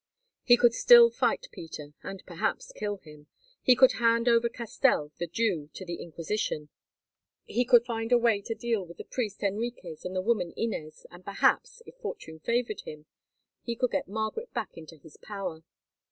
He could still fight Peter, and perhaps kill him. He could hand over Castell, the Jew, to the Inquisition. He could find a way to deal with the priest Henriques and the woman Inez, and, perhaps, if fortune favoured him he could get Margaret back into his power.